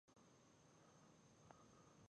آیا د بې وزلو لاسنیوی کیږي؟